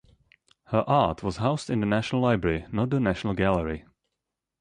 Her art was housed in the National Library, not the National Gallery.